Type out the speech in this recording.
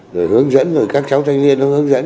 rồi hướng dẫn rồi các cháu thanh niên nó hướng dẫn